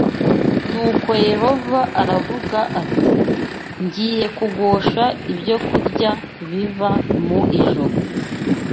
Nuko Yehova aravuga ati ngiye kugusha ibyokurya biva mu ijuru